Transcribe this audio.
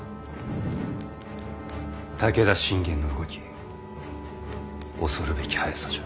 武田信玄の動き恐るべき速さじゃ。